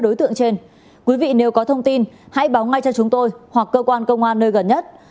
đối tượng trên quý vị nếu có thông tin hãy báo ngay cho chúng tôi hoặc cơ quan công an nơi gần nhất